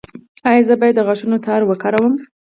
ایا زه باید د غاښونو تار وکاروم؟